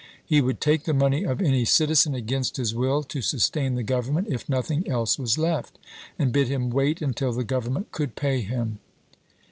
He would take the money of any citizen against his will to sustain the Grov ernment, if nothing else was left, and bid him wait until the Government could pay him.